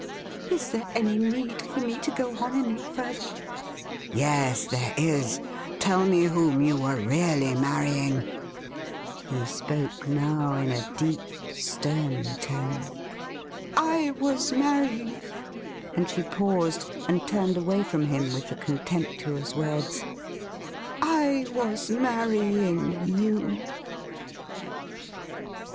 ' Is there any need for me to go on any further i"' ' Yes, there is. Tell me whom you were really marrying.' 216 THE RIDDLE RING He spoke now in a deep stem tone. ' I was manying '— and she paused and turned away from him with the contemptuous words —' I was marrying —you.'